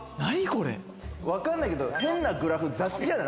わかんないけれど、変なグラフ雑じゃない？